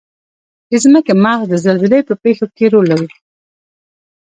د ځمکې مغز د زلزلې په پیښو کې رول لري.